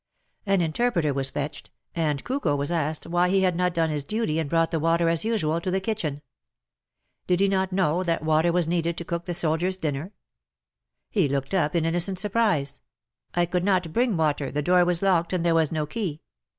An interpreter was fetched, and Kuko was asked why he had not done his duty and brought the water as usual to the kitchen ? Did he not know that water was needed to cook the soldiers' dinner? He looked up in innocent surprise. " 1 could not bring water, the door was locked and there was no key.